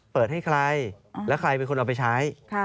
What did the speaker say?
เปิดให้ใครแล้วใครเป็นคนเอาไปใช้